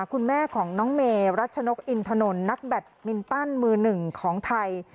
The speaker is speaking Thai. คุณแม่ของน้องเมรัชนกอินถนนนักแบตมินตันมือหนึ่งของไทย